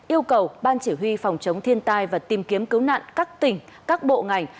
yêu cầu ban chỉ huy phòng chống thiên tai và tìm kiếm cứu nạn các tỉnh các bộ ngành